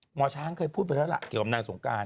หมอช้างเคยพูดไปแล้วล่ะเกี่ยวกับนางสงการ